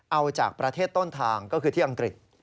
เอาจากประเทศต้นทางก็คือที่อังกฤษ